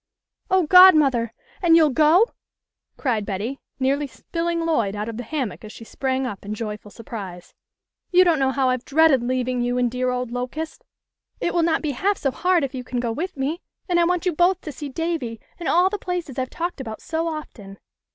" Oh, godmother ! And you'll go ?" cried Betty, nearly spilling Lloyd out of the hammock as she sprang up in joyful surprise. " You don't know how I've dreaded leaving you and dear old Locust. It will not be half so hard if you can go with me, and I want you both to see Davy and all the places I've talked about so often."